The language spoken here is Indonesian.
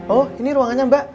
oh ini ruangannya mbak